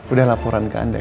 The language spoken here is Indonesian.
udah laporan ke anda